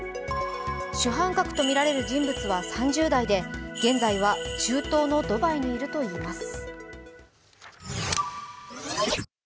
主犯格とみられる人物は３０代で現在は中東のドバイにいるといいます。